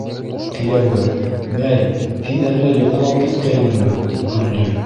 Кейәүе: - Бәй, һин әллә йоҡлап киткәйнеңме? - тип көлдө.